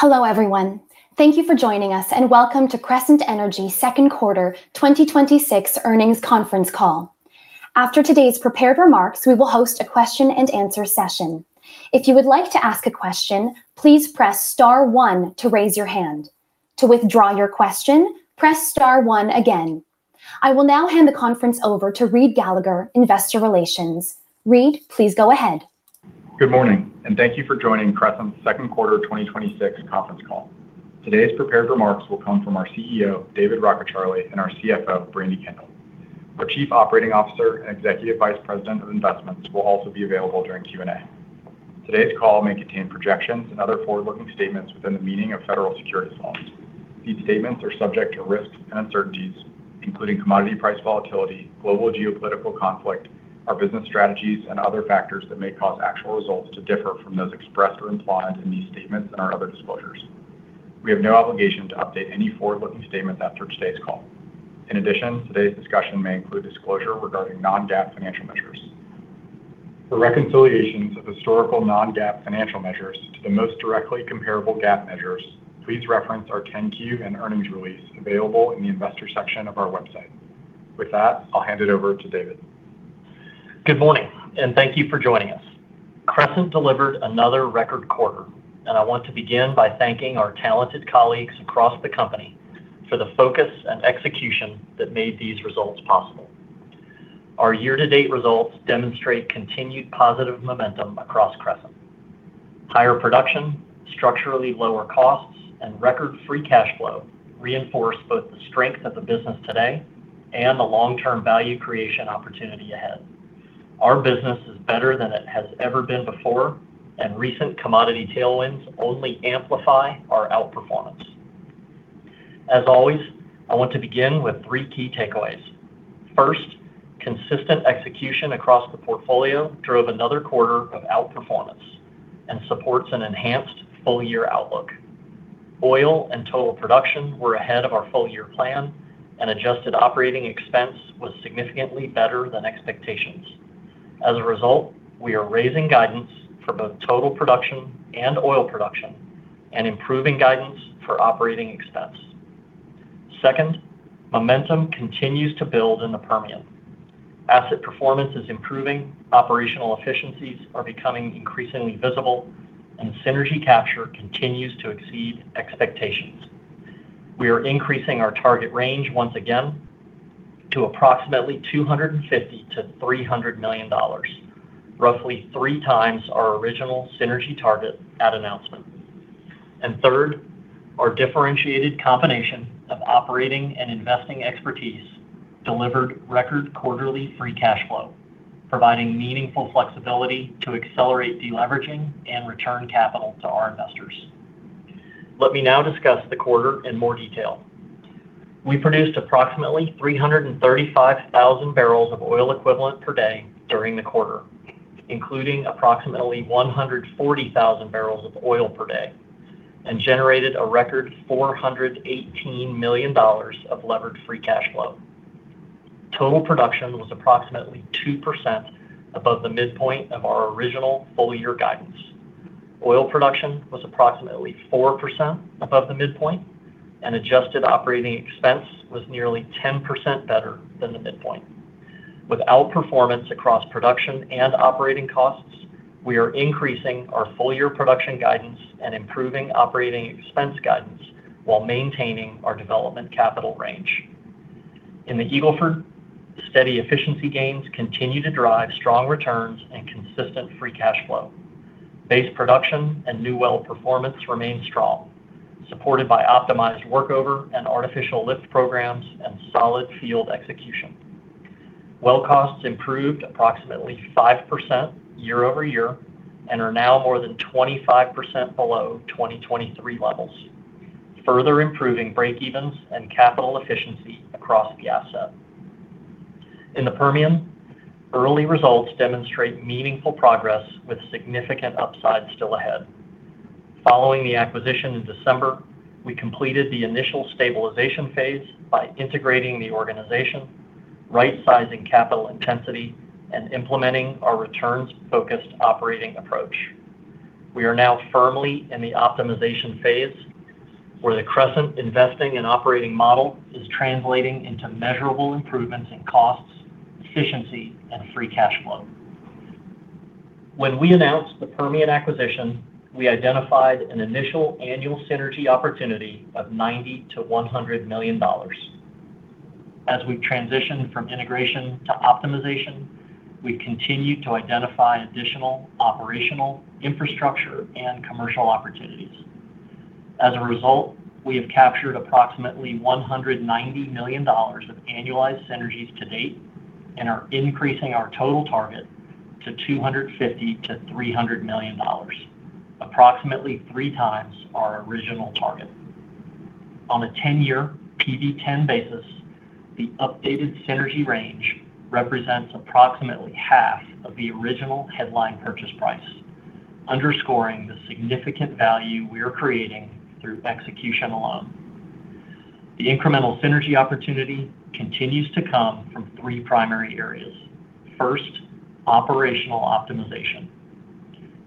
Hello, everyone. Thank you for joining us and welcome to Crescent Energy second quarter 2026 earnings conference call. After today's prepared remarks, we will host a question-and-answer session. If you would like to ask a question, please press star one to raise your hand. To withdraw your question, press star one again. I will now hand the conference over to Reid Gallagher, Investor Relations. Reid, please go ahead. Good morning. Thank you for joining Crescent's second quarter 2026 conference call. Today's prepared remarks will come from our CEO, David Rockecharlie, and our CFO, Brandi Kendall. Our Chief Operating Officer and Executive Vice President of Investments will also be available during Q&A. Today's call may contain projections and other forward-looking statements within the meaning of federal securities laws. These statements are subject to risks and uncertainties, including commodity price volatility, global geopolitical conflict, our business strategies, and other factors that may cause actual results to differ from those expressed or implied in these statements and our other disclosures. We have no obligation to update any forward-looking statements after today's call. In addition, today's discussion may include disclosure regarding non-GAAP financial measures. For reconciliations of historical non-GAAP financial measures to the most directly comparable GAAP measures, please reference our 10-Q and earnings release available in the investor section of our website. With that, I'll hand it over to David. Good morning. Thank you for joining us. Crescent delivered another record quarter. I want to begin by thanking our talented colleagues across the company for the focus and execution that made these results possible. Our year-to-date results demonstrate continued positive momentum across Crescent. Higher production, structurally lower costs, and record free cash flow reinforce both the strength of the business today and the long-term value creation opportunity ahead. Our business is better than it has ever been before. Recent commodity tailwinds only amplify our outperformance. As always, I want to begin with three key takeaways. First, consistent execution across the portfolio drove another quarter of outperformance and supports an enhanced full-year outlook. Oil and total production were ahead of our full-year plan. Adjusted operating expense was significantly better than expectations. As a result, we are raising guidance for both total production and oil production and improving guidance for operating expense. Second, momentum continues to build in the Permian. Asset performance is improving, operational efficiencies are becoming increasingly visible, and synergy capture continues to exceed expectations. We are increasing our target range once again to approximately $250 million-$300 million, roughly 3x our original synergy target at announcement. Third, our differentiated combination of operating and investing expertise delivered record quarterly free cash flow, providing meaningful flexibility to accelerate deleveraging and return capital to our investors. Let me now discuss the quarter in more detail. We produced approximately 335,000 barrels of oil equivalent per day during the quarter, including approximately 140,000 barrels of oil per day and generated a record $418 million of levered free cash flow. Total production was approximately 2% above the midpoint of our original full-year guidance. Oil production was approximately 4% above the midpoint. Adjusted operating expense was nearly 10% better than the midpoint. With outperformance across production and operating costs, we are increasing our full-year production guidance and improving operating expense guidance while maintaining our development capital range. In the Eagle Ford, steady efficiency gains continue to drive strong returns and consistent free cash flow. Base production and new well performance remain strong, supported by optimized workover and artificial lift programs and solid field execution. Well costs improved approximately 5% year-over-year and are now more than 25% below 2023 levels, further improving breakevens and capital efficiency across the asset. In the Permian, early results demonstrate meaningful progress with significant upside still ahead. Following the acquisition in December, we completed the initial stabilization phase by integrating the organization, rightsizing capital intensity, and implementing our returns-focused operating approach. We are now firmly in the optimization phase, where the Crescent investing and operating model is translating into measurable improvements in costs, efficiency, and free cash flow. When we announced the Permian acquisition, we identified an initial annual synergy opportunity of $90 million-$100 million. As we transition from integration to optimization, we continue to identify additional operational infrastructure and commercial opportunities. As a result, we have captured approximately $190 million of annualized synergies to date and are increasing our total target to $250 million-$300 million, approximately 3x our original target. On a 10-year PV-10 basis, the updated synergy range represents approximately half of the original headline purchase price, underscoring the significant value we are creating through execution alone. The incremental synergy opportunity continues to come from three primary areas. First, operational optimization.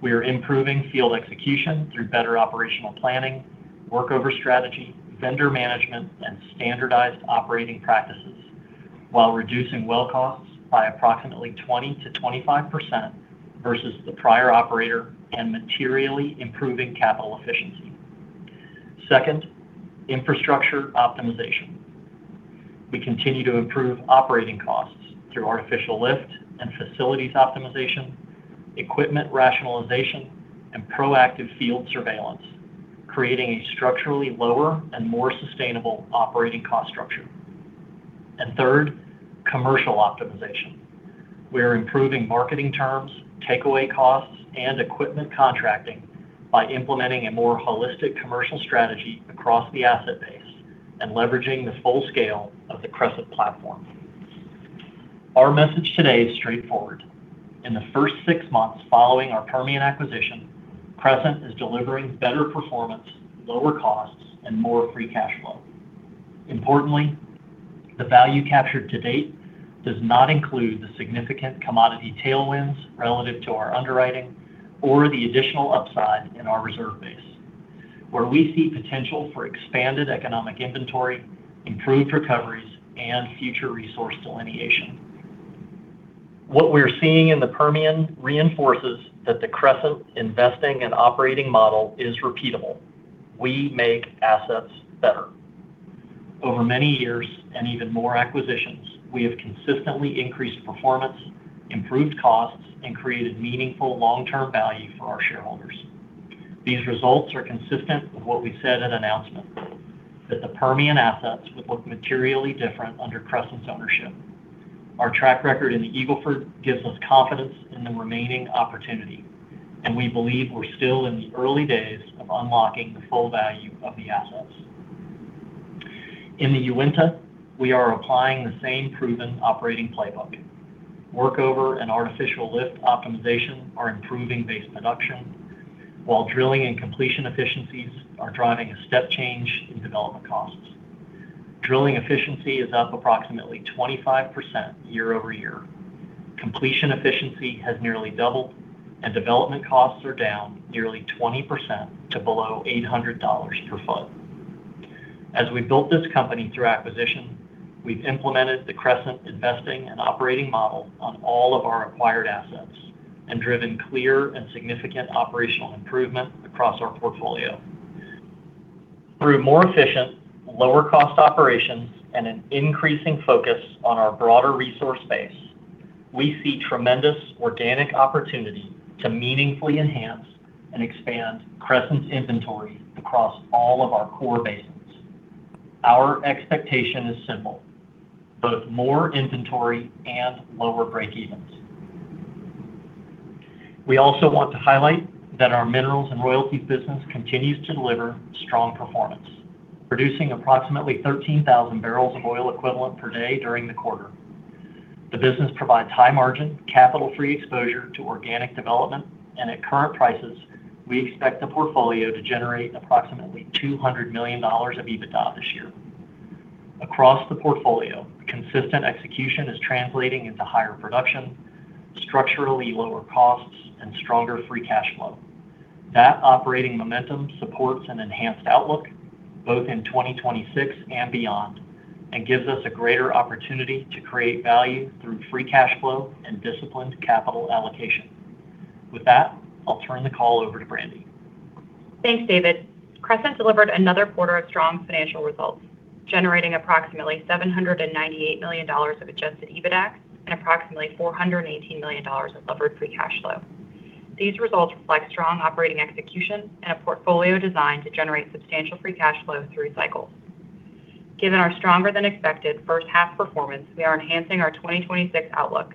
We are improving field execution through better operational planning, workover strategy, vendor management, and standardized operating practices while reducing well costs by approximately 20%-25% versus the prior operator and materially improving capital efficiency. Second, infrastructure optimization. We continue to improve operating costs through artificial lift and facilities optimization, equipment rationalization, and proactive field surveillance, creating a structurally lower and more sustainable operating cost structure. Third, commercial optimization. We are improving marketing terms, takeaway costs, and equipment contracting by implementing a more holistic commercial strategy across the asset base and leveraging the full scale of the Crescent platform. Our message today is straightforward. In the first six months following our Permian acquisition, Crescent is delivering better performance, lower costs, and more free cash flow. Importantly, the value captured to date does not include the significant commodity tailwinds relative to our underwriting or the additional upside in our reserve base, where we see potential for expanded economic inventory, improved recoveries, and future resource delineation. What we're seeing in the Permian reinforces that the Crescent investing and operating model is repeatable. We make assets better. Over many years and even more acquisitions, we have consistently increased performance, improved costs, and created meaningful long-term value for our shareholders. These results are consistent with what we said at announcement, that the Permian assets would look materially different under Crescent's ownership. Our track record in the Eagle Ford gives us confidence in the remaining opportunity, and we believe we're still in the early days of unlocking the full value of the assets. In the Uinta, we are applying the same proven operating playbook. Workover and artificial lift optimization are improving base production, while drilling and completion efficiencies are driving a step change in development costs. Drilling efficiency is up approximately 25% year-over-year. Completion efficiency has nearly doubled, and development costs are down nearly 20% to below $800 per foot. As we built this company through acquisition, we've implemented the Crescent investing and operating model on all of our acquired assets and driven clear and significant operational improvement across our portfolio. Through more efficient, lower cost operations and an increasing focus on our broader resource base, we see tremendous organic opportunity to meaningfully enhance and expand Crescent's inventory across all of our core basins. Our expectation is simple, both more inventory and lower breakevens. We also want to highlight that our minerals and royalties business continues to deliver strong performance, producing approximately 13,000 Mboe/d during the quarter. The business provides high margin, capital-free exposure to organic development, and at current prices, we expect the portfolio to generate approximately $200 million of EBITDA this year. Across the portfolio, consistent execution is translating into higher production, structurally lower costs, and stronger free cash flow. That operating momentum supports an enhanced outlook both in 2026 and beyond and gives us a greater opportunity to create value through free cash flow and disciplined capital allocation. With that, I'll turn the call over to Brandi. Thanks, David. Crescent delivered another quarter of strong financial results, generating approximately $798 million of adjusted EBITDAX and approximately $418 million of levered free cash flow. These results reflect strong operating execution and a portfolio designed to generate substantial free cash flow through cycles. Given our stronger than expected first half performance, we are enhancing our 2026 outlook.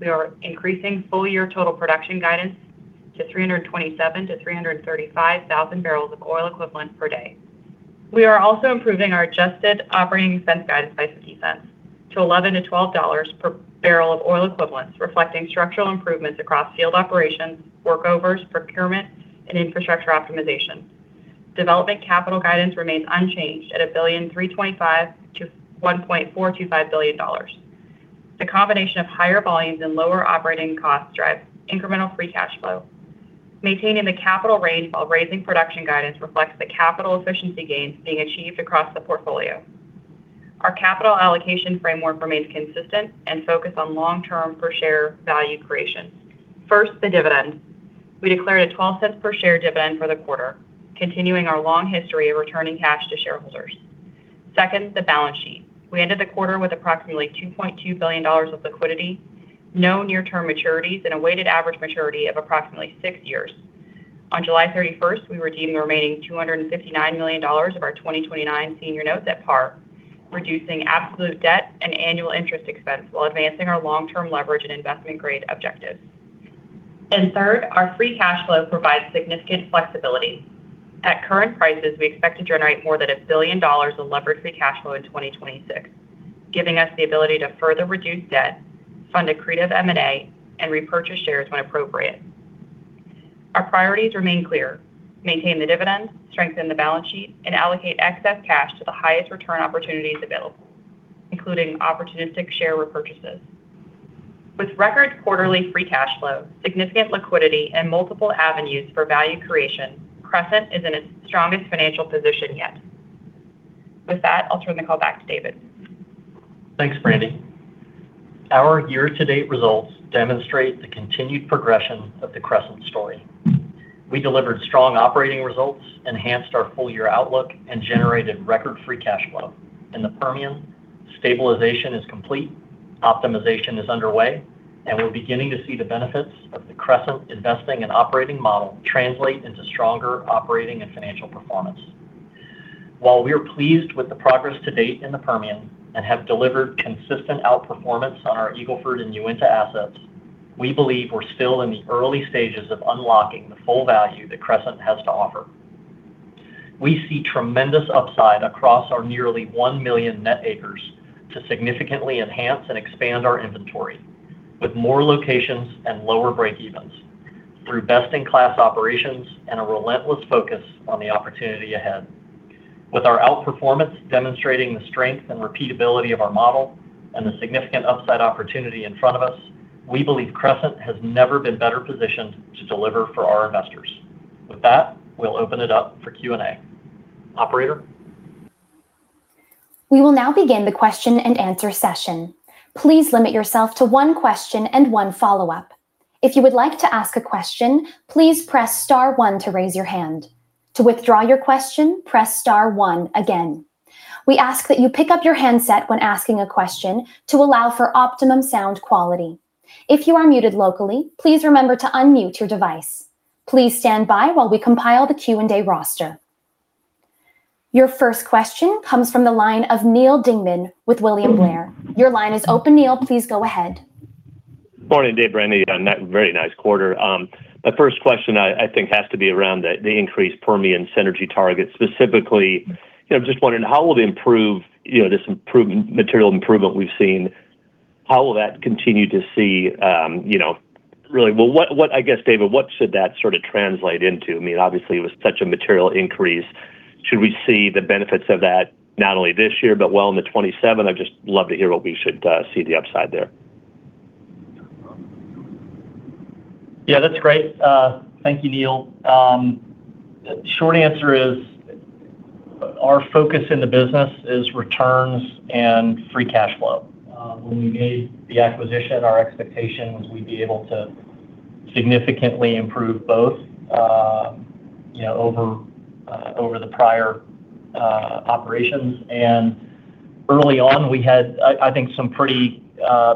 We are increasing full year total production guidance to 327,000 to 335,000 Mboe/d. We are also improving our adjusted operating expense guidance by $0.50 to $11-$12 per Boe, reflecting structural improvements across field operations, workovers, procurement, and infrastructure optimization. Development capital guidance remains unchanged at $1.325 billion-$1.425 billion. The combination of higher volumes and lower operating costs drive incremental free cash flow. Maintaining the capital range while raising production guidance reflects the capital efficiency gains being achieved across the portfolio. Our capital allocation framework remains consistent and focused on long-term per share value creation. First, the dividend. We declared a $0.12 per share dividend for the quarter, continuing our long history of returning cash to shareholders. Second, the balance sheet. We ended the quarter with approximately $2.2 billion of liquidity, no near-term maturities, and a weighted average maturity of approximately six years. On July 31st, we redeemed the remaining $259 million of our 2029 senior notes at par, reducing absolute debt and annual interest expense while advancing our long-term leverage and investment-grade objectives. Third, our free cash flow provides significant flexibility. At current prices, we expect to generate more than $1 billion of levered free cash flow in 2026, giving us the ability to further reduce debt, fund accretive M&A, and repurchase shares when appropriate. Our priorities remain clear: maintain the dividends, strengthen the balance sheet, and allocate excess cash to the highest return opportunities available, including opportunistic share repurchases. With record quarterly free cash flow, significant liquidity, and multiple avenues for value creation, Crescent is in its strongest financial position yet. With that, I'll turn the call back to David. Thanks, Brandi. Our year-to-date results demonstrate the continued progression of the Crescent story. We delivered strong operating results, enhanced our full-year outlook, and generated record free cash flow. In the Permian, stabilization is complete, optimization is underway, and we're beginning to see the benefits of the Crescent investing and operating model translate into stronger operating and financial performance. While we are pleased with the progress to date in the Permian and have delivered consistent outperformance on our Eagle Ford and Uinta assets, we believe we're still in the early stages of unlocking the full value that Crescent has to offer. We see tremendous upside across our nearly 1 million net acres to significantly enhance and expand our inventory with more locations and lower breakevens through best-in-class operations and a relentless focus on the opportunity ahead. With our outperformance demonstrating the strength and repeatability of our model and the significant upside opportunity in front of us, we believe Crescent has never been better positioned to deliver for our investors. With that, we'll open it up for Q&A. Operator? We will now begin the question-and-answer session. Please limit yourself to one question and one follow-up. If you would like to ask a question, please press star one to raise your hand. To withdraw your question, press star one again. We ask that you pick up your handset when asking a question to allow for optimum sound quality. If you are muted locally, please remember to unmute your device. Please stand by while we compile the Q&A roster. Your first question comes from the line of Neal Dingmann with William Blair. Your line is open, Neal. Please go ahead. Morning, Dave, Brandi, on that very nice quarter. My first question I think has to be around the increased Permian synergy target. Specifically, just wondering, this material improvement we've seen, how will that continue to see I guess, David, what should that translate into? Obviously, it was such a material increase. Should we see the benefits of that not only this year but well into 2027? I'd just love to hear what we should see the upside there. Yeah, that's great. Thank you, Neal. The short answer is our focus in the business is returns and free cash flow. When we made the acquisition, our expectation was we'd be able to significantly improve both over the prior operations. Early on, we had, I think, some pretty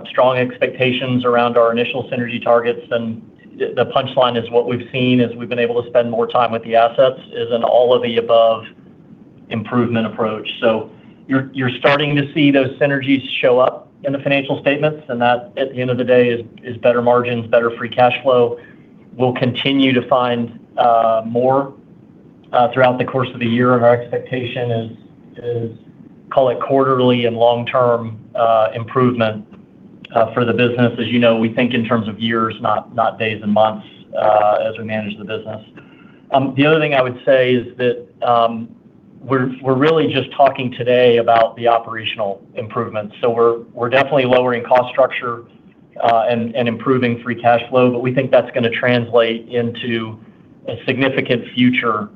strong expectations around our initial synergy targets, and the punchline is what we've seen as we've been able to spend more time with the assets is an all of the above improvement approach. You're starting to see those synergies show up in the financial statements, and that at the end of the day is better margins, better free cash flow. We'll continue to find more throughout the course of the year, and our expectation is, call it quarterly and long-term improvement for the business. As you know, we think in terms of years, not days and months as we manage the business. The other thing I would say is that we're really just talking today about the operational improvements. We're definitely lowering cost structure and improving free cash flow, but we think that's going to translate into a significant future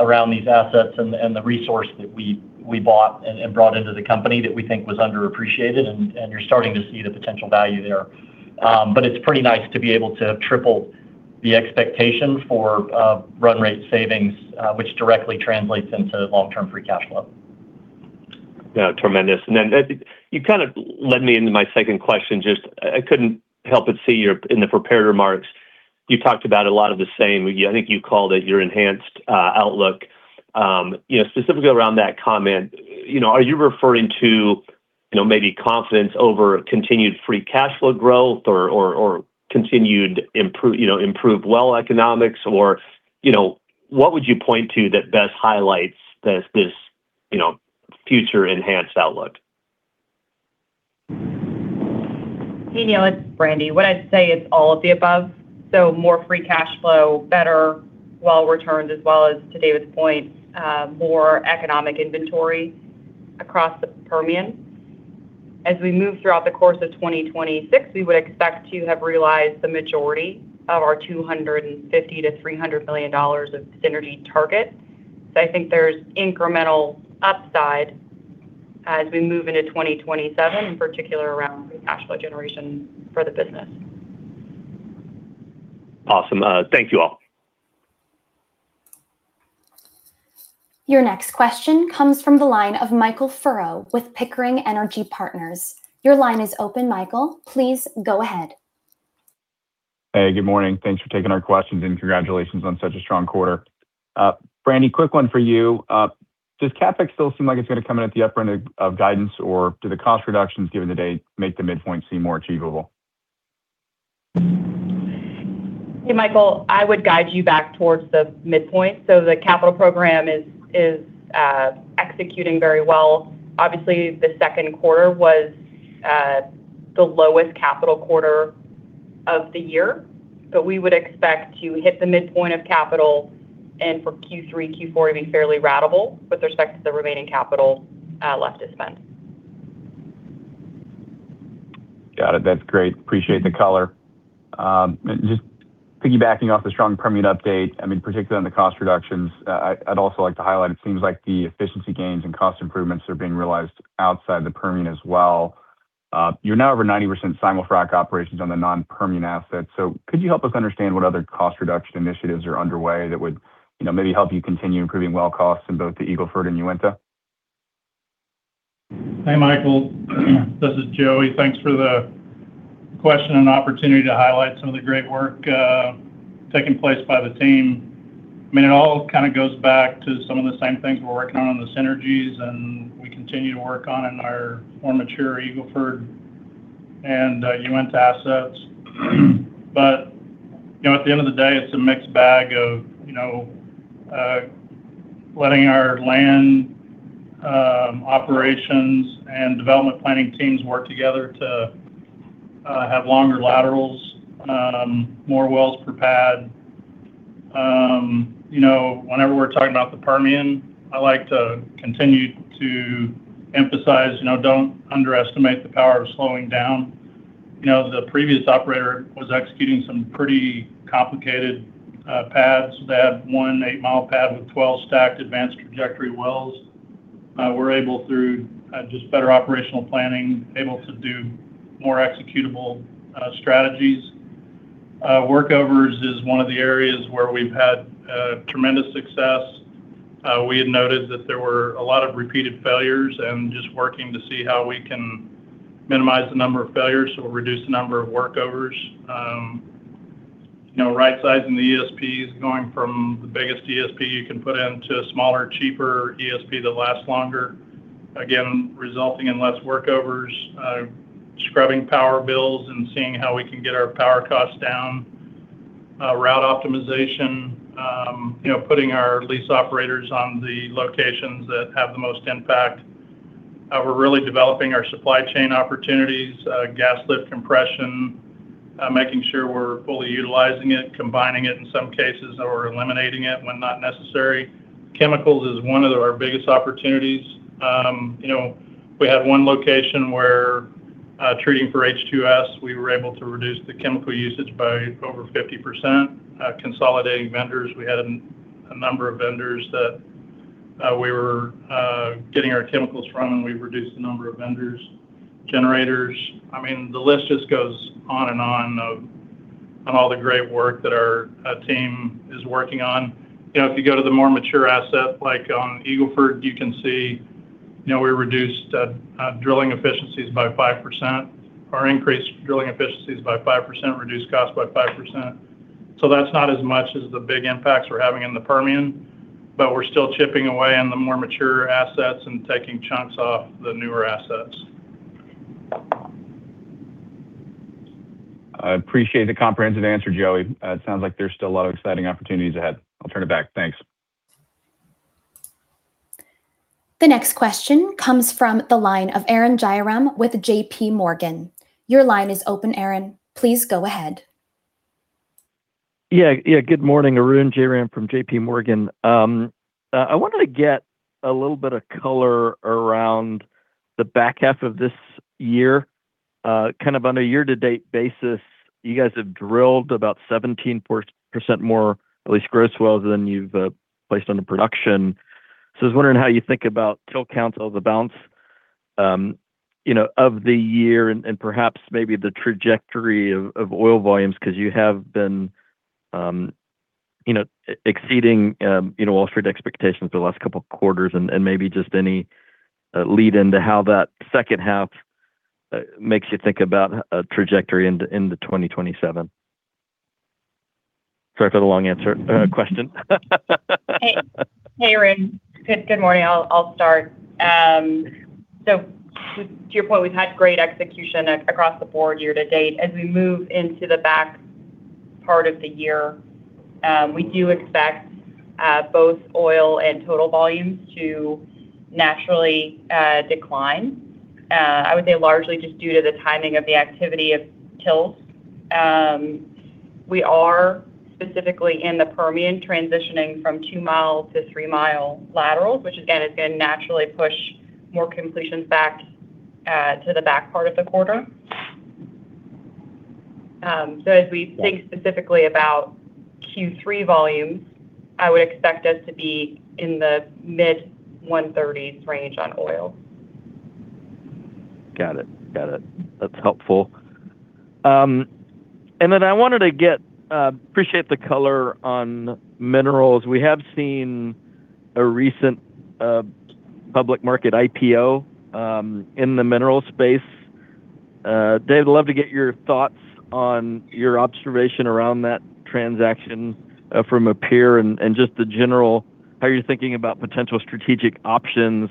around these assets and the resource that we bought and brought into the company that we think was underappreciated, and you're starting to see the potential value there. It's pretty nice to be able to triple the expectation for run rate savings, which directly translates into long-term free cash flow. Yeah, tremendous. You led me into my second question. I couldn't help but see in the prepared remarks, you talked about a lot of the same. I think you called it your enhanced outlook. Specifically around that comment, are you referring to maybe confidence over continued free cash flow growth or continued improved well economics, or what would you point to that best highlights this future enhanced outlook? Hey, Neal, it's Brandi. What I'd say is all of the above. More free cash flow, better well returns, as well as to David's point, more economic inventory across the Permian. As we move throughout the course of 2026, we would expect to have realized the majority of our $250 million-$300 million of synergy target. I think there's incremental upside as we move into 2027, in particular around free cash flow generation for the business. Awesome. Thank you all. Your next question comes from the line of Michael Furrow with Pickering Energy Partners. Your line is open, Michael. Please go ahead. Hey, good morning. Thanks for taking our questions, and congratulations on such a strong quarter. Brandi, quick one for you. Does CapEx still seem like it's going to come in at the upper end of guidance, or do the cost reductions given to date make the midpoint seem more achievable? Hey, Michael. I would guide you back towards the midpoint. The capital program is executing very well. Obviously, the second quarter was the lowest capital quarter of the year. We would expect to hit the midpoint of capital and for Q3, Q4 to be fairly ratable with respect to the remaining capital left to spend. Got it. That's great. Appreciate the color. Just piggybacking off the strong Permian update, particularly on the cost reductions, I'd also like to highlight, it seems like the efficiency gains and cost improvements are being realized outside the Permian as well. You're now over 90% simul-frac operations on the non-Permian assets. Could you help us understand what other cost reduction initiatives are underway that would maybe help you continue improving well costs in both the Eagle Ford and Uinta? Hey, Michael, this is Joey. Thanks for the question and opportunity to highlight some of the great work taking place by the team. It all goes back to some of the same things we're working on in the synergies, and we continue to work on in our more mature Eagle Ford and Uinta assets. At the end of the day, it's a mixed bag of letting our land operations and development planning teams work together to have longer laterals, more wells per pad. Whenever we're talking about the Permian, I like to continue to emphasize, don't underestimate the power of slowing down. The previous operator was executing some pretty complicated pads. They had one eight-mile pad with 12 stacked advanced trajectory wells. We're able, through just better operational planning, able to do more executable strategies. Workovers is one of the areas where we've had tremendous success. We had noted that there were a lot of repeated failures and just working to see how we can minimize the number of failures, so we'll reduce the number of workovers. Right-sizing the ESPs, going from the biggest ESP you can put in to a smaller, cheaper ESP that lasts longer, again, resulting in less workovers. Scrubbing power bills and seeing how we can get our power costs down. Route optimization. Putting our lease operators on the locations that have the most impact. We're really developing our supply chain opportunities. Gas lift compression, making sure we're fully utilizing it, combining it in some cases, or eliminating it when not necessary. Chemicals is one of our biggest opportunities. We had one location where, treating for H2S, we were able to reduce the chemical usage by over 50%. Consolidating vendors. We had a number of vendors that we were getting our chemicals from. We've reduced the number of vendors. Generators. The list just goes on and on of all the great work that our team is working on. If you go to the more mature asset, like on Eagle Ford, you can see we reduced drilling efficiencies by 5%, or increased drilling efficiencies by 5%, reduced cost by 5%. That's not as much as the big impacts we're having in the Permian, but we're still chipping away on the more mature assets and taking chunks off the newer assets. I appreciate the comprehensive answer, Joey. It sounds like there's still a lot of exciting opportunities ahead. I'll turn it back. Thanks. The next question comes from the line of Arun Jayaram with JPMorgan. Your line is open, Arun. Please go ahead. Yeah. Good morning, Arun Jayaram from JPMorgan. I wanted to get a little bit of color around the back half of this year. On a year-to-date basis, you guys have drilled about 17% more lease gross wells than you've placed onto production. I was wondering how you think about till count as a bounce of the year and perhaps maybe the trajectory of oil volumes, because you have been exceeding Wall Street expectations for the last couple of quarters. Maybe just any lead into how that second half makes you think about a trajectory into 2027. Sorry for the long question. Hey, Arun. Good morning. I'll start. To your point, we've had great execution across the board year-to-date. As we move into the back part of the year, we do expect both oil and total volumes to naturally decline. I would say largely just due to the timing of the activity of tills. We are specifically in the Permian transitioning from two-mile to three-mile laterals, which again, is going to naturally push more completions back to the back part of the quarter. As we think specifically about Q3 volumes, I would expect us to be in the mid-130s range on oil. Got it. That's helpful. I wanted to appreciate the color on minerals. We have seen a recent public market IPO in the mineral space. Dave, I'd love to get your thoughts on your observation around that transaction from a peer and just the general how you're thinking about potential strategic options,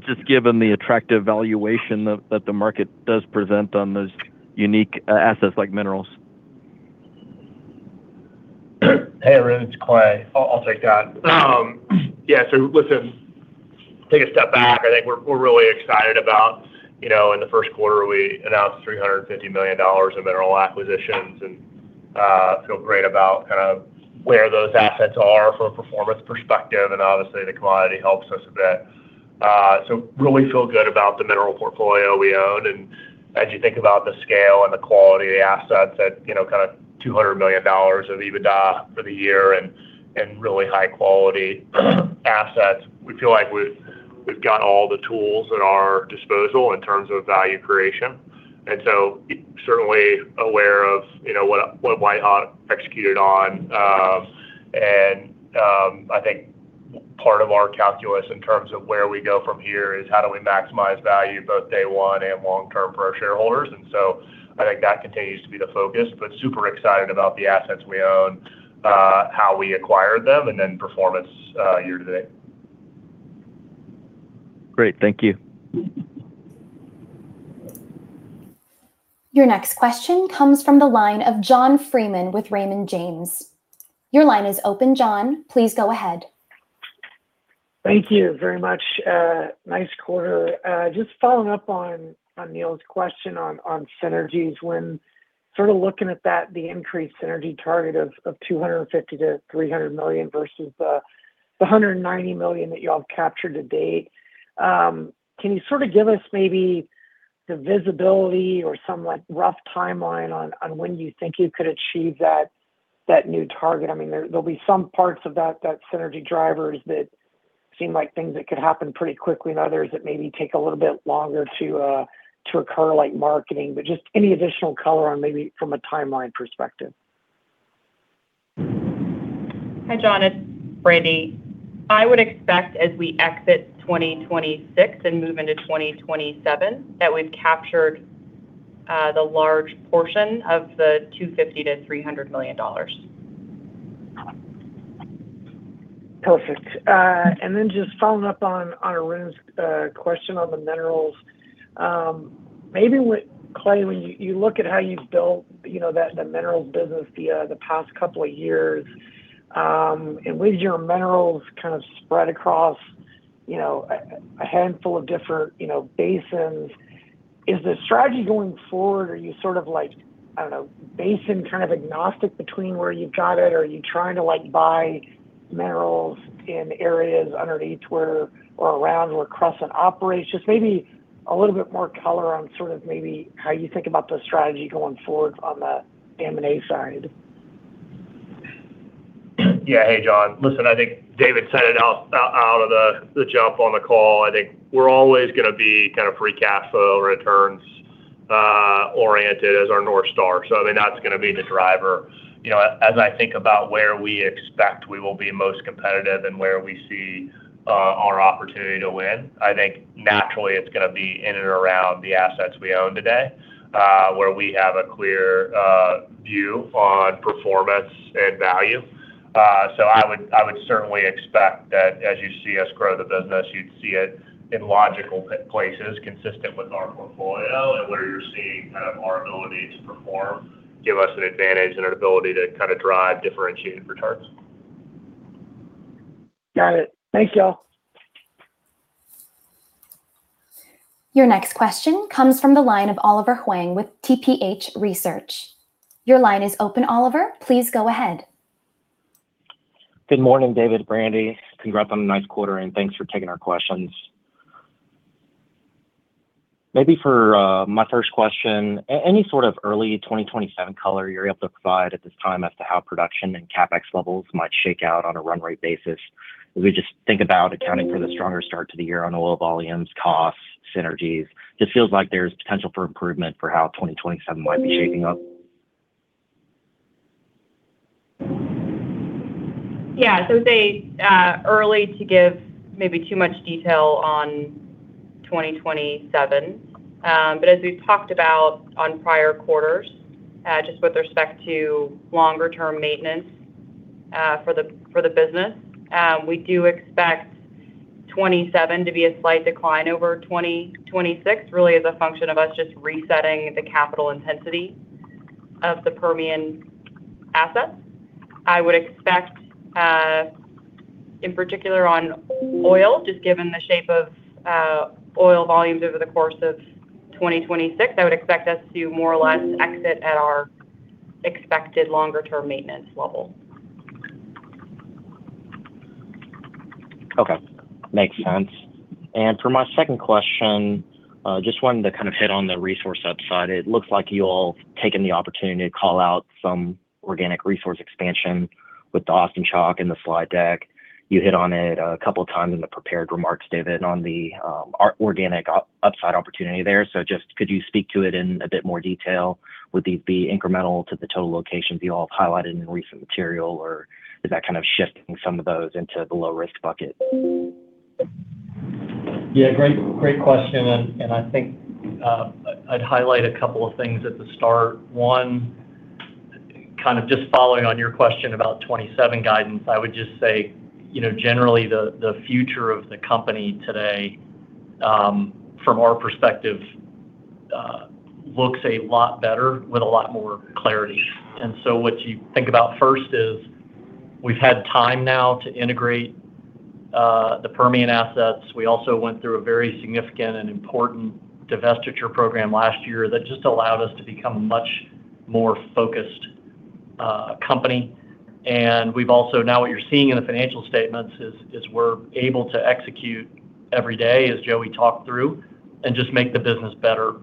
just given the attractive valuation that the market does present on those unique assets like minerals. Hey, Arun, it's Clay. I'll take that. Yeah. Listen, take a step back. I think we're really excited about in the first quarter we announced $350 million of mineral acquisitions and feel great about where those assets are from a performance perspective, and obviously the commodity helps us a bit. Really feel good about the mineral portfolio we own, and as you think about the scale and the quality of the assets at $200 million of EBITDA for the year and really high quality assets. We feel like we've got all the tools at our disposal in terms of value creation. Certainly aware of what WhiteHawk executed on. I think part of our calculus in terms of where we go from here is how do we maximize value both day one and long-term for our shareholders. I think that continues to be the focus, super excited about the assets we own, how we acquired them, performance year-to-date. Great. Thank you. Your next question comes from the line of John Freeman with Raymond James. Your line is open, John, please go ahead. Thank you very much. Nice quarter. Just following up on Neal's question on synergies. When looking at that, the increased synergy target of $250 million-$300 million versus the $190 million that you all have captured to date, can you give us maybe the visibility or somewhat rough timeline on when you think you could achieve that new target? There'll be some parts of that synergy drivers that seem like things that could happen pretty quickly and others that maybe take a little bit longer to occur, like marketing. Just any additional color on maybe from a timeline perspective. Hi, John. It's Brandi. I would expect as we exit 2026 and move into 2027, that we've captured the large portion of the $250 million-$300 million. Perfect. Just following up on Arun's question on the minerals. Clay, when you look at how you've built the minerals business via the past couple of years, and with your minerals kind of spread across a handful of different basins, is the strategy going forward, are you sort of, I don't know, basin kind of agnostic between where you've got it, or are you trying to buy minerals in areas underneath where, or around where Crescent operates? Just maybe a little bit more color on maybe how you think about the strategy going forward on the M&A side. Yeah. Hey, John. Listen, I think David set it out of the jump on the call. I think we're always going to be kind of free cash flow returns oriented as our North Star. That's going to be the driver. As I think about where we expect we will be most competitive and where we see our opportunity to win, I think naturally it's going to be in and around the assets we own today, where we have a clear view on performance and value. I would certainly expect that as you see us grow the business, you'd see it in logical places consistent with our portfolio. Where you're seeing our ability to perform give us an advantage and an ability to drive differentiated returns. Got it. Thank you all. Your next question comes from the line of Oliver Huang with TPH Research. Your line is open, Oliver, please go ahead. Good morning, David, Brandi. Congrats on a nice quarter. Thanks for taking our questions. Maybe for my first question, any sort of early 2027 color you are able to provide at this time as to how production and CapEx levels might shake out on a run rate basis, as we just think about accounting for the stronger start to the year on oil volumes, costs, synergies. Just feels like there's potential for improvement for how 2027 might be shaping up. Yeah. I would say early to give maybe too much detail on 2027. As we've talked about on prior quarters, just with respect to longer term maintenance, for the business. We do expect 2027 to be a slight decline over 2026, really as a function of us just resetting the capital intensity of the Permian assets. I would expect, in particular on oil, just given the shape of oil volumes over the course of 2026, I would expect us to more or less exit at our expected longer term maintenance level. Okay. Makes sense. For my second question, just wanted to hit on the resource upside. It looks like you all taken the opportunity to call out some organic resource expansion with the Austin Chalk in the slide deck. You hit on it a couple of times in the prepared remarks, David, on the organic upside opportunity there. Just could you speak to it in a bit more detail? Would these be incremental to the total locations you all have highlighted in recent material, or is that kind of shifting some of those into the low-risk bucket? Yeah. Great question. I think, I'd highlight a couple of things at the start. One, kind of just following on your question about 2027 guidance, I would just say, generally the future of the company today, from our perspective Looks a lot better with a lot more clarity. What you think about first is we've had time now to integrate the Permian assets. We also went through a very significant and important divestiture program last year that just allowed us to become a much more focused company. What you're seeing in the financial statements is we're able to execute every day, as Joey talked through, and just make the business better.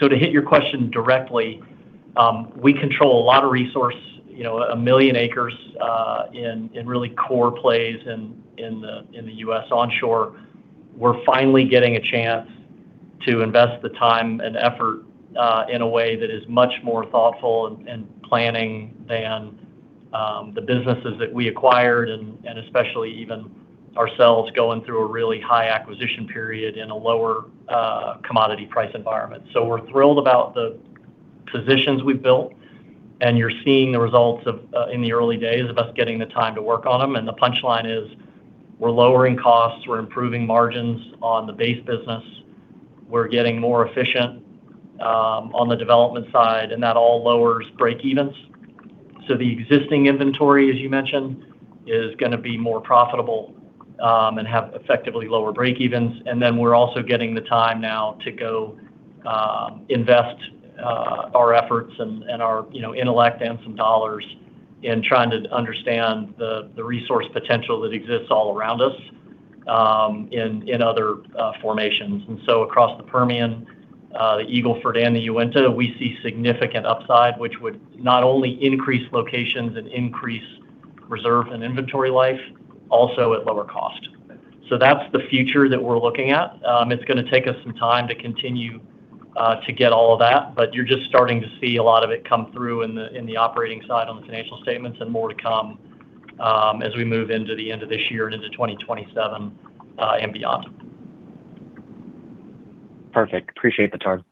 To hit your question directly, we control a lot of resource, 1 million acres in really core plays in the U.S. onshore. We're finally getting a chance to invest the time and effort in a way that is much more thoughtful and planning than the businesses that we acquired, and especially even ourselves going through a really high acquisition period in a lower commodity price environment. We're thrilled about the positions we've built, and you're seeing the results in the early days of us getting the time to work on them. The punchline is we're lowering costs, we're improving margins on the base business. We're getting more efficient on the development side, and that all lowers break evens. The existing inventory, as you mentioned, is going to be more profitable and have effectively lower break evens. We're also getting the time now to go invest our efforts and our intellect and some dollars in trying to understand the resource potential that exists all around us in other formations. Across the Permian, the Eagle Ford, and the Uinta, we see significant upside, which would not only increase locations and increase reserve and inventory life, also at lower cost. That's the future that we're looking at. It's going to take us some time to continue to get all of that, but you're just starting to see a lot of it come through in the operating side on the financial statements and more to come as we move into the end of this year and into 2027 and beyond. Perfect. Appreciate the time.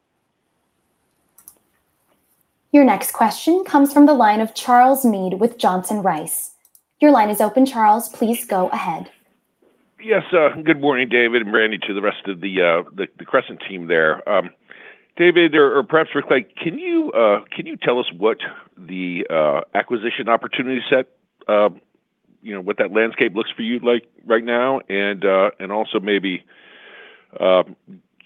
Your next question comes from the line of Charles Meade with Johnson Rice. Your line is open, Charles. Please go ahead. Yes. Good morning, David and Brandi to the rest of the Crescent team there. David, or perhaps for Clay, can you tell us what the acquisition opportunity set, what that landscape looks for you right now? Also maybe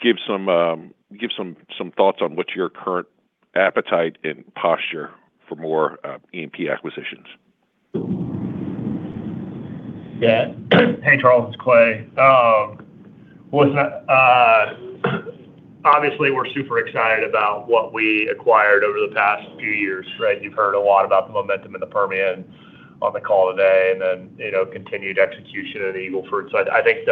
give some thoughts on what your current appetite and posture for more E&P acquisitions. Yeah. Hey, Charles, it's Clay. Obviously, we're super excited about what we acquired over the past few years, right? You've heard a lot about the momentum in the Permian on the call today, and then continued execution in the Eagle Ford. I think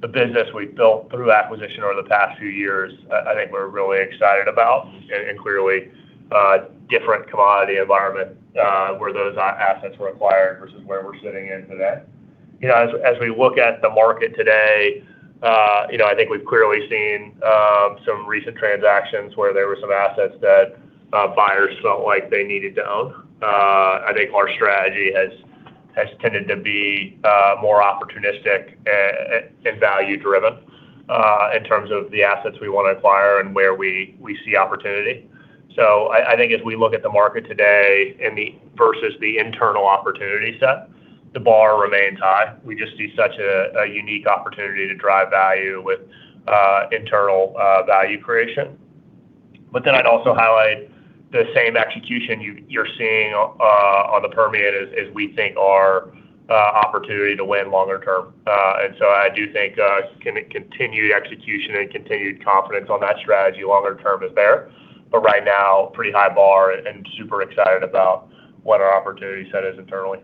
the business we've built through acquisition over the past few years, I think we're really excited about, and clearly different commodity environment where those assets were acquired versus where we're sitting in today. As we look at the market today, I think we've clearly seen some recent transactions where there were some assets that buyers felt like they needed to own. I think our strategy has tended to be more opportunistic and value driven in terms of the assets we want to acquire and where we see opportunity. I think as we look at the market today versus the internal opportunity set, the bar remains high. We just see such a unique opportunity to drive value with internal value creation. I'd also highlight the same execution you're seeing on the Permian as we think our opportunity to win longer term. I do think continued execution and continued confidence on that strategy longer term is there. Right now, pretty high bar and super excited about what our opportunity set is internally.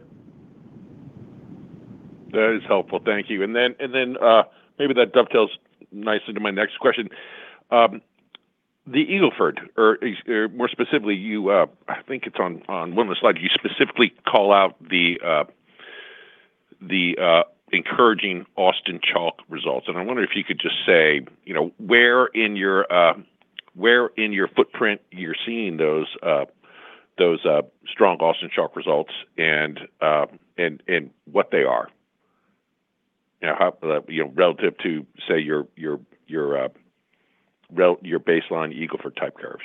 That is helpful. Thank you. Maybe that dovetails nicely to my next question. The Eagle Ford, or more specifically, I think it's on one of the slides, you specifically call out the encouraging Austin Chalk results. I wonder if you could just say where in your footprint you're seeing those strong Austin Chalk results and what they are relative to, say, your baseline Eagle Ford type curves.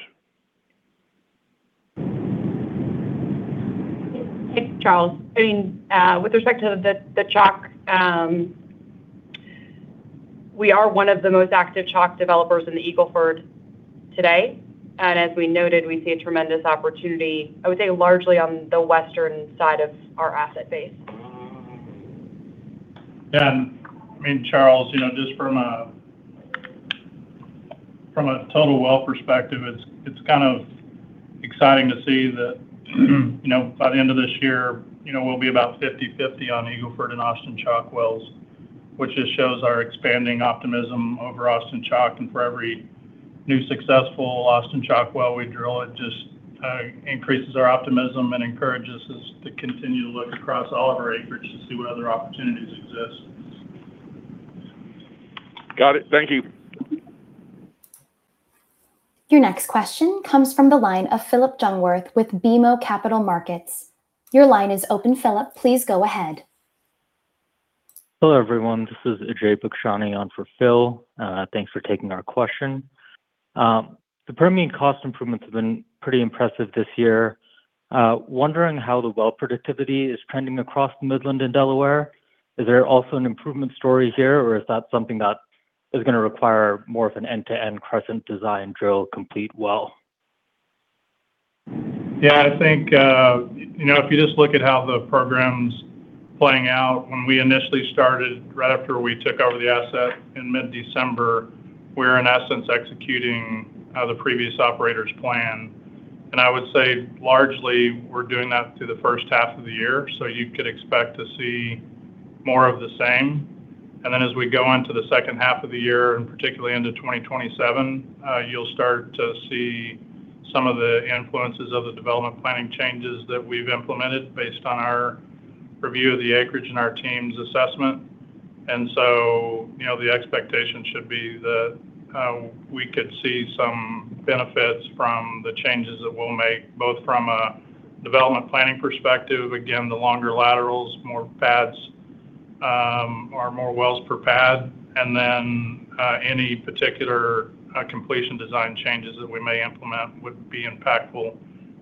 Thanks, Charles. With respect to the Chalk, we are one of the most active Chalk developers in the Eagle Ford today. As we noted, we see a tremendous opportunity, I would say, largely on the western side of our asset base. Charles, just from a total well perspective, it's kind of exciting to see that by the end of this year, we'll be about 50/50 on Eagle Ford and Austin Chalk wells, which just shows our expanding optimism over Austin Chalk, and for every new successful Austin Chalk well we drill, it just increases our optimism and encourages us to continue to look across all of our acreage to see what other opportunities exist. Got it. Thank you. Your next question comes from the line of Phillip Jungwirth with BMO Capital Markets. Your line is open, Phillip. Please go ahead. Hello, everyone. This is Ajay Bakshani on for Phil. Thanks for taking our question. The Permian cost improvements have been pretty impressive this year. Wondering how the well productivity is trending across the Midland and Delaware. Is there also an improvement story here, or is that something that is going to require more of an end-to-end Crescent design drill complete well? I think if you just look at how the program's playing out, when we initially started, right after we took over the asset in mid-December, we were, in essence, executing the previous operator's plan. I would say largely, we're doing that through the first half of the year. You could expect to see more of the same. As we go into the second half of the year, and particularly into 2027, you'll start to see some of the influences of the development planning changes that we've implemented based on our review of the acreage and our team's assessment. The expectation should be that we could see some benefits from the changes that we'll make, both from a development planning perspective, again, the longer laterals, more pads, or more wells per pad. Any particular completion design changes that we may implement would be impactful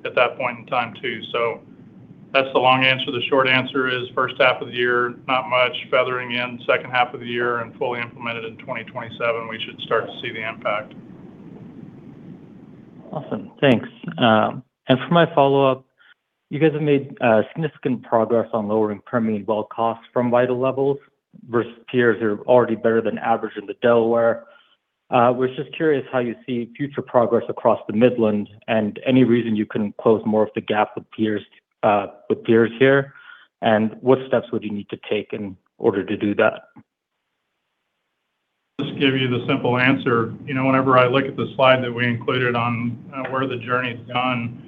at that point in time, too. That's the long answer. The short answer is first half of the year, not much. Feathering in second half of the year and fully implemented in 2027, we should start to see the impact. Awesome. Thanks. For my follow-up, you guys have made significant progress on lowering Permian well costs from Vital levels versus peers who are already better than average in the Delaware. Was just curious how you see future progress across the Midland and any reason you couldn't close more of the gap with peers here, and what steps would you need to take in order to do that? Just give you the simple answer. Whenever I look at the slide that we included on where the journey's gone,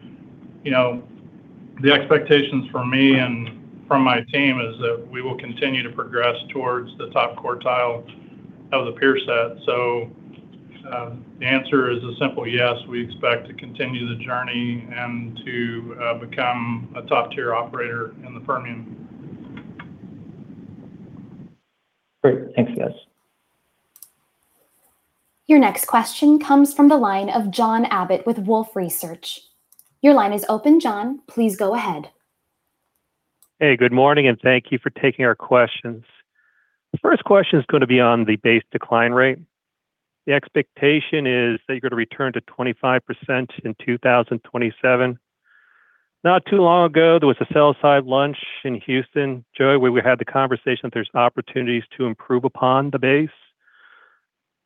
the expectations from me and from my team is that we will continue to progress towards the top quartile of the peer set. The answer is a simple yes, we expect to continue the journey and to become a top-tier operator in the Permian. Great. Thanks, guys. Your next question comes from the line of John Abbott with Wolfe Research. Your line is open, John. Please go ahead. Hey, good morning. Thank you for taking our questions. The first question is going to be on the base decline rate. The expectation is that you're going to return to 25% in 2027. Not too long ago, there was a sell-side lunch in Houston, Joey, where we had the conversation that there's opportunities to improve upon the base.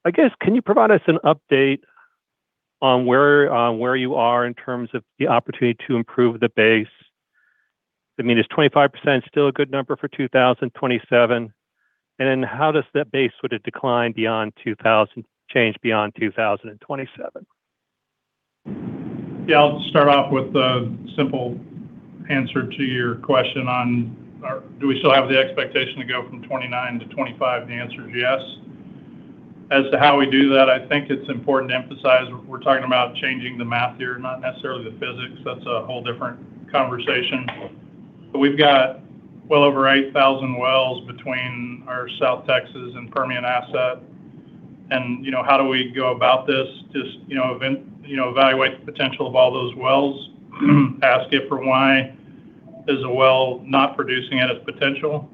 I guess, can you provide us an update on where you are in terms of the opportunity to improve the base? Is 25% still a good number for 2027? How does that base, would it decline beyond change beyond 2027? I'll start off with a simple answer to your question on do we still have the expectation to go from 29 to 25? The answer is yes. As to how we do that, I think it's important to emphasize we're talking about changing the math here, not necessarily the physics. That's a whole different conversation. We've got well over 8,000 wells between our South Texas and Permian asset. How do we go about this? Just evaluate the potential of all those wells. Ask it for why is a well not producing at its potential?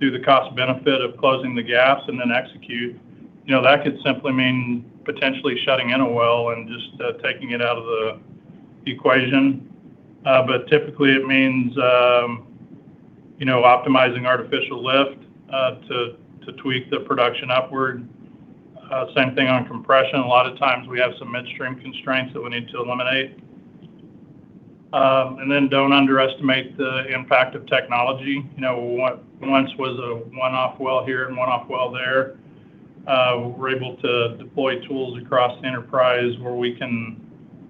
Do the cost benefit of closing the gaps then execute. That could simply mean potentially shutting in a well and just taking it out of the equation. Typically, it means optimizing artificial lift to tweak the production upward. Same thing on compression. A lot of times we have some midstream constraints that we need to eliminate. Don't underestimate the impact of technology. What once was a one-off well here and one-off well there, we're able to deploy tools across the enterprise where we can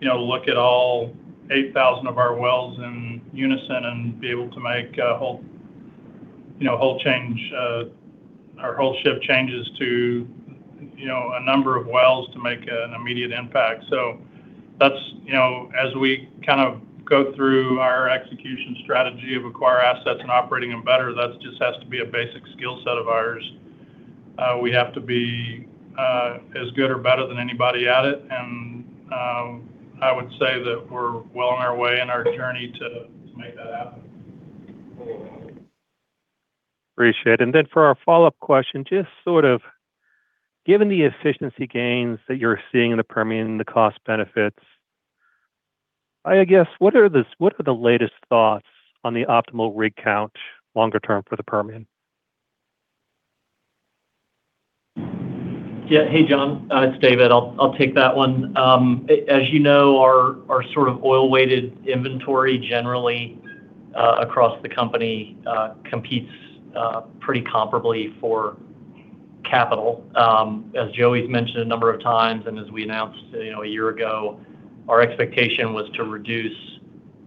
look at all 8,000 of our wells in unison and be able to make a whole change. Our whole shift changes to a number of wells to make an immediate impact. As we go through our execution strategy of acquire assets and operating them better, that just has to be a basic skill set of ours. We have to be as good or better than anybody at it, I would say that we're well on our way in our journey to make that happen. Appreciate it. For our follow-up question, just given the efficiency gains that you're seeing in the Permian, the cost benefits, what are the latest thoughts on the optimal rig count longer term for the Permian? Yeah. Hey, John. It's David. I'll take that one. As you know, our oil-weighted inventory generally across the company competes pretty comparably for capital. As Joey's mentioned a number of times, as we announced a year ago, our expectation was to reduce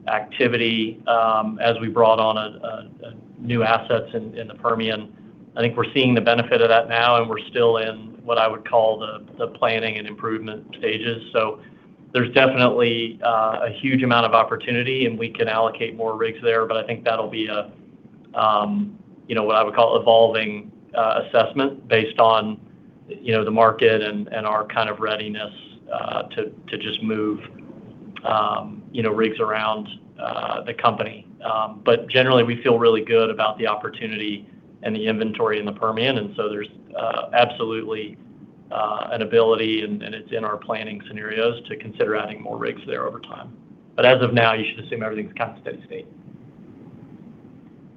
activity as we brought on new assets in the Permian. I think we're seeing the benefit of that now, and we're still in what I would call the planning and improvement stages. There's definitely a huge amount of opportunity, and we can allocate more rigs there, but I think that'll be what I would call evolving assessment based on the market and our readiness to just move rigs around the company. Generally, we feel really good about the opportunity and the inventory in the Permian, there's absolutely an ability, and it's in our planning scenarios to consider adding more rigs there over time. As of now, you should assume everything's kind of steady state.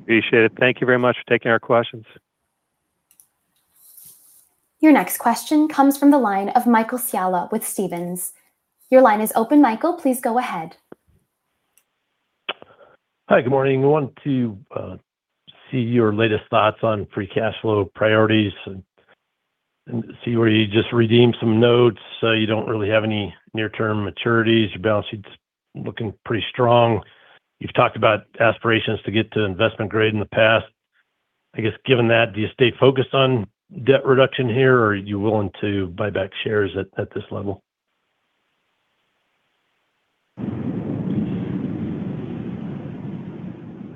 Appreciate it. Thank you very much for taking our questions. Your next question comes from the line of Michael Scialla with Stephens. Your line is open, Michael. Please go ahead. Hi, good morning. Wanted to see your latest thoughts on free cash flow priorities and see where you just redeemed some notes. You don't really have any near-term maturities. Your balance sheet's looking pretty strong. You've talked about aspirations to get to investment-grade in the past. I guess given that, do you stay focused on debt reduction here, or are you willing to buy back shares at this level?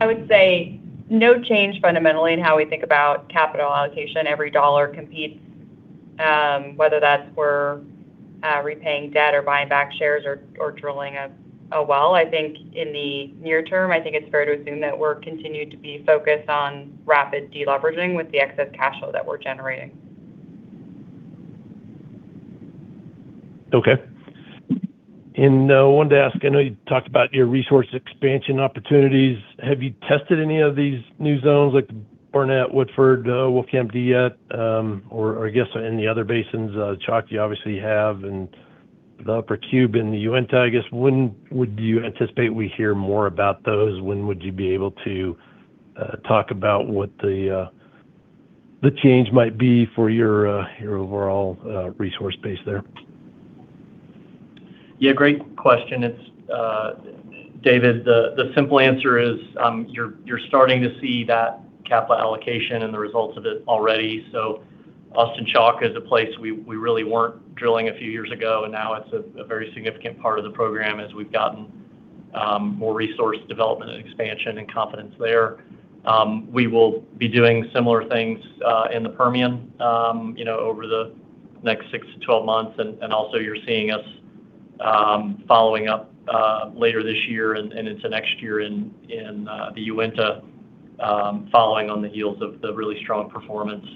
I would say no change fundamentally in how we think about capital allocation. Every dollar competes, whether that's for repaying debt or buying back shares or drilling a well. I think in the near term, I think it's fair to assume that we're continued to be focused on rapid de-leveraging with the excess cash flow that we're generating. Okay. I wanted to ask, I know you talked about your resource expansion opportunities. Have you tested any of these new zones like the Barnett/Woodford, Wolfcamp D yet? I guess in the other basins, the Chalk you obviously have and the Uteland Butte in the Uinta, I guess, when would you anticipate we hear more about those? When would you be able to talk about what the change might be for your overall resource base there? Yeah, great question. David, the simple answer is, you're starting to see that capital allocation and the results of it already. Austin Chalk is a place we really weren't drilling a few years ago, and now it's a very significant part of the program as we've gotten more resource development and expansion and confidence there. We will be doing similar things in the Permian over the next six to 12 months. Also you're seeing us following up later this year and into next year in the Uinta, following on the heels of the really strong performance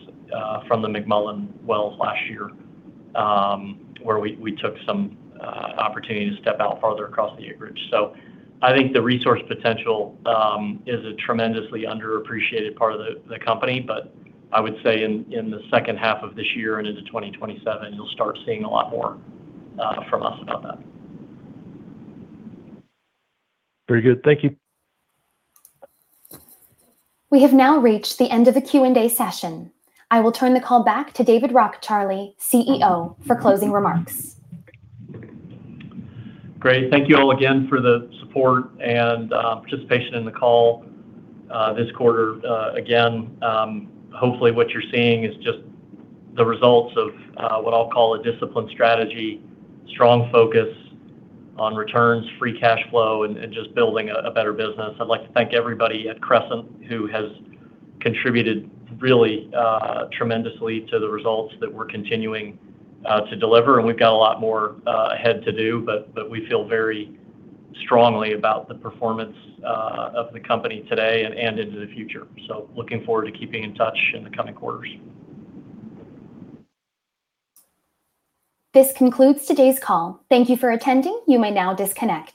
from the McMullen wells last year, where we took some opportunity to step out farther across the acreage. I think the resource potential is a tremendously underappreciated part of the company. I would say in the second half of this year and into 2027, you'll start seeing a lot more from us about that. Very good. Thank you. We have now reached the end of the Q&A session. I will turn the call back to David Rockecharlie, CEO, for closing remarks. Great. Thank you all again for the support and participation in the call this quarter. Hopefully what you're seeing is just the results of what I'll call a disciplined strategy, strong focus on returns, free cash flow, and just building a better business. I'd like to thank everybody at Crescent who has contributed really tremendously to the results that we're continuing to deliver, and we've got a lot more ahead to do, but we feel very strongly about the performance of the company today and into the future. Looking forward to keeping in touch in the coming quarters. This concludes today's call. Thank you for attending. You may now disconnect